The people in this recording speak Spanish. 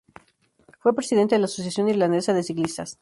Fue presidente de la Asociación Irlandesa de Ciclistas.